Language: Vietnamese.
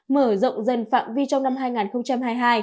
mở rộng dần phạm vi trong năm hai nghìn hai mươi hai